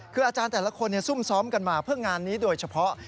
คืออาจารย์แต่ละคนซุ่มซ้อมกันมาเพื่องานนี้โดยเฉพาะ